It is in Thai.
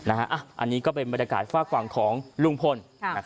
อันนี้ก็เป็นบรรยากาศฝากฝั่งของลุงพล